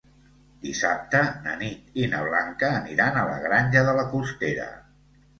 Dissabte na Nit i na Blanca aniran a la Granja de la Costera.